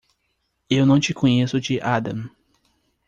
Eu não te conheço de Adam.